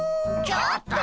ちょっと！